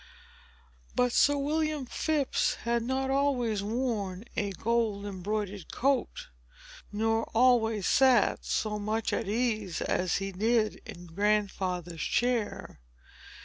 But Sir William Phips had not always worn a gold embroidered coat, nor always sat so much at his ease as he did in Grandfather's chair.